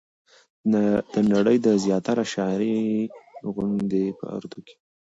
د نړۍ د زياتره شاعرۍ غوندې په اردو